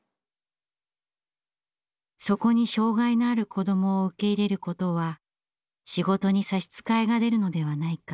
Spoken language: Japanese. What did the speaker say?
そこに障害のある子どもを受け入れることは仕事に差し支えが出るのではないか。